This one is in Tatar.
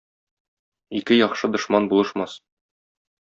Ике яхшы дошман булышмас.